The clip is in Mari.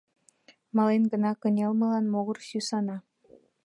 Мален гына кынелмылан могыр сӱсана.